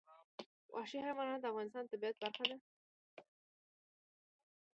وحشي حیوانات د افغانستان د طبیعت برخه ده.